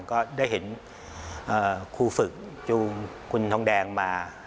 ก็ได้เห็นครูฝึกจูงคุณทองแดงมา